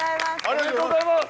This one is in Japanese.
ありがとうございます。